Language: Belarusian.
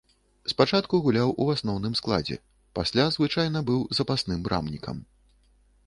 Спачатку гуляў у асноўным складзе, пасля звычайна быў запасным брамнікам.